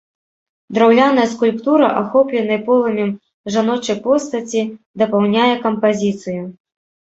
Драўляная скульптура, ахопленай полымем жаночай постаці, дапаўняе кампазіцыю.